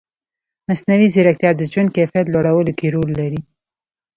مصنوعي ځیرکتیا د ژوند کیفیت لوړولو کې رول لري.